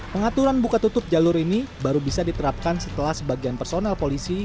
pengaturan buka tutup jalur ini baru bisa diterapkan setelah sebagian personel polisi